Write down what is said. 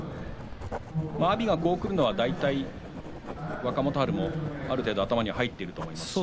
阿炎がこうくるのは大体、若元春も頭に入っていたと思います。